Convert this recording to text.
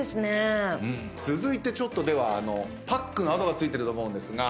続いてちょっとではパックの跡が付いてると思うんですが。